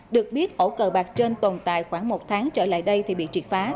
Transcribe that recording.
được biết ổ cờ bạc trên tồn tại khoảng một tháng trở lại đây thì bị triệt phá